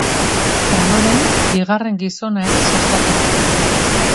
Ondoren, bigarren gizona ere sastatu zuen.